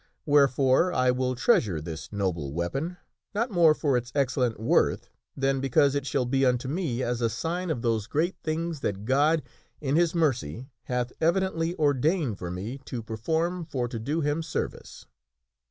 Wherefore I will treasure this noble weapon not more for its ex cellent worth than because it shall be unto me as a sign of those great things that God, in His mercy, hath evidently ordained for me to perform for to do Him service."